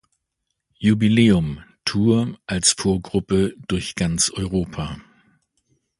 Jubiläum Tour als Vorgruppe durch ganz Europa.